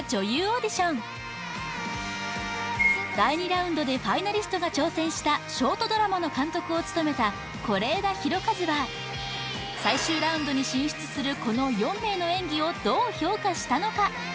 オーディション第２ラウンドでファイナリストが挑戦したショートドラマの監督を務めた是枝裕和は最終ラウンドに進出するこの４名の演技をどう評価したのか？